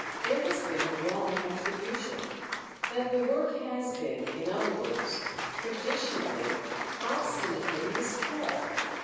—there has been a wrong attribution; that the work has been, in other words, traditionally, obstinately miscalled.